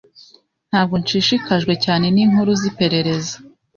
Ntabwo nshishikajwe cyane ninkuru ziperereza.